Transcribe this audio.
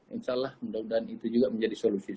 insya allah mudah mudahan itu juga menjadi solusi